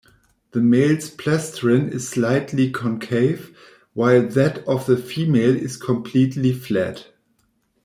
The male's plastron is slightly concave, while that of the female is completely flat.